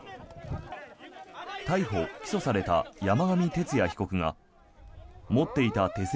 逮捕・起訴された山上徹也被告が持っていた手製